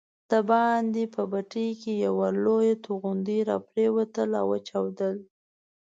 دباندې په بټۍ کې یوه لویه توغندۍ راپرېوتله او وچاودل.